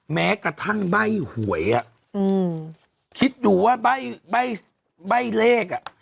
แม้กระทั่งใบ้หวยคิดดูว่าใบ้เลขอ่ะ